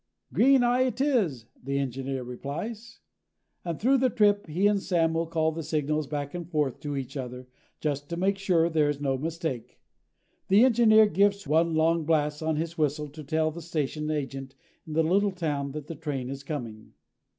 "Green eye it is," the engineer replies. All through the trip he and Sam will call the signals back and forth to each other, just to make sure there is no mistake. The engineer gives one long blast on his whistle to tell the station agent in the little town that the train is coming.